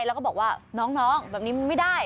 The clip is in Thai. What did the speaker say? แล้วก็บอกว่าน้องแบบนี้มันไม่ได้